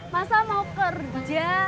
masa mau kerja